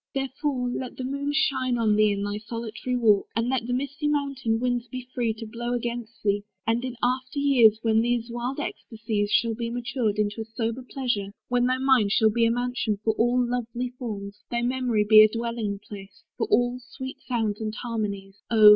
Therefore let the moon Shine on thee in thy solitary walk; And let the misty mountain winds be free To blow against thee: and in after years, When these wild ecstasies shall be matured Into a sober pleasure, when thy mind Shall be a mansion for all lovely forms, Thy memory be as a dwelling place For all sweet sounds and harmonies; Oh!